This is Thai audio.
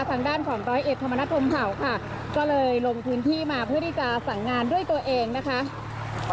ทางด้านของร้อยเอกธรรมนัฐพรมเผาค่ะก็เลยลงพื้นที่มาเพื่อที่จะสั่งงานด้วยตัวเองนะคะ